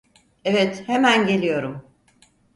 Evet, hemen geliyorum.